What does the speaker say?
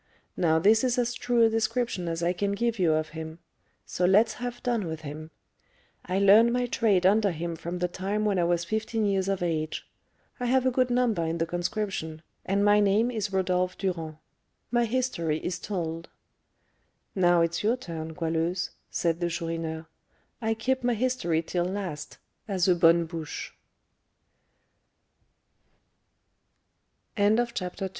Now this is as true a description as I can give you of him; so let's have done with him. I learned my trade under him from the time when I was fifteen years of age; I have a good number in the Conscription, and my name is Rodolph Durand. My history is told." "Now it's your turn, Goualeuse," said the Chourineur; "I keep my history till last, as a bonne bouche." CHAPTER III.